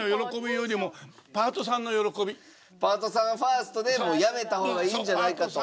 パートさんファーストでやめた方がいいんじゃないかと。